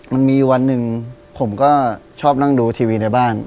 มันมีวันหนึ่งผมก็ชอบนั่งดูทีวีในบ้าน